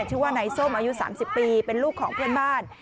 ชื่อว่านายส้มอายุ๓๐ปีเป็นลูกของเพื่อนบ้าน